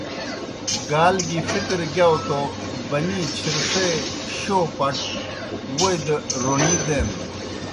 گال گیْ فکر گیاؤ تو بَنِی چِھرݜے شو پٹ ووئی دہ روݨی دینَن۔